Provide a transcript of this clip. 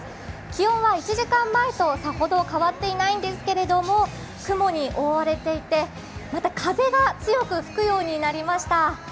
気温は１時間前とさほど変わっていないんですけれども、雲に覆われていて、また風が強く吹くようになりました。